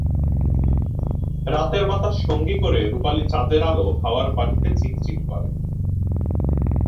রাতের বাতাস সঙ্গী করে রুপালি চাঁদের আলো হাওরের পানিতে চিকচিক করে।